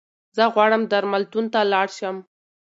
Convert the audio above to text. زه غواړم درملتون ته لاړشم